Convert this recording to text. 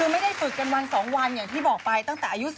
คือไม่ได้ฝึกกันวัน๒วันอย่างที่บอกไปตั้งแต่อายุ๑๓